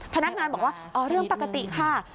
พนักงานบอกว่าอ๋อเรื่องปกติค่ะ